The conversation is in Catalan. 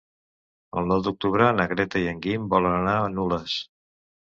El nou d'octubre na Greta i en Guim volen anar a Nules.